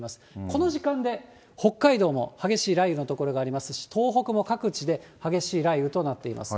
この時間で北海道も激しい雷雨の所がありますし、東北も各地で激しい雷雨となっています。